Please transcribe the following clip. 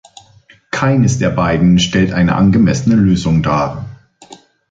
Keines der beiden stellt eine angemessene Lösung dar.